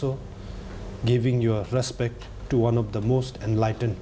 ไม่แค่ส่งโปรดภารกิจแต่ส่งโปรดภารกิจกับ